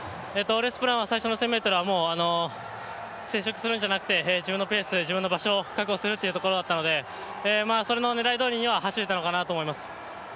レースプランは最初の１０００ｍは接触するんじゃなくて自分のペース、自分の場所を確保するというところだったのでそれの狙いどおりには走れたのかなと思います。